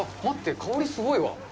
待って、香りすごいわ。